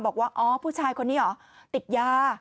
บอกว่าอ๋อผู้ชายคนนี้เหรอติดยา